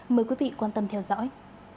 mời quý vị quan tâm theo dõi